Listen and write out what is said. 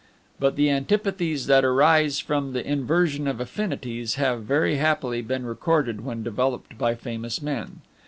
But the antipathies that arise from the inversion of affinities have, very happily, been recorded when developed by famous men.